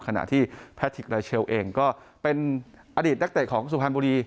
ขณะที่แพทิกรายเชลเองก็เป็นอดีตนักเตะของสุพรรณบุรี